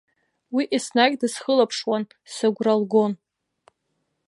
Уи еснагь дысхылаԥшуан, сыгәра лгон.